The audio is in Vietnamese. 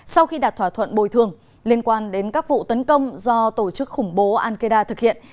sau khi đạt thỏa thuận bồi thường liên quan đến các vụ tấn công do tổ chức khủng bố al qaeda thực hiện